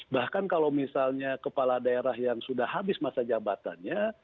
bahkan kalau misalnya kepala daerah yang sudah habis masa jabatannya